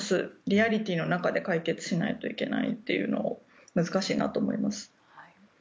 リアリティーの中で解決しないといけないというのを難しいなと思います。